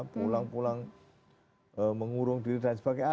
pulang pulang mengurung diri dan sebagainya